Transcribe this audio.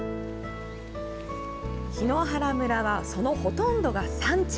檜原村は、そのほとんどが山地。